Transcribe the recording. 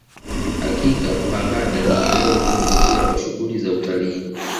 hakika pangani ni eneo lenye kuvutia kwa shughuli za utalii